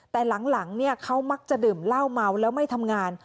แต่หลังเขามักจะดื่มเหล้าเมาแล้วไม่ทำงาน